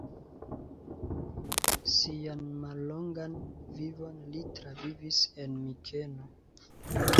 Sian mallongan vivon li travivis en Mikeno.